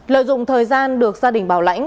lợi dụng thời gian được gia đình bảo lãnh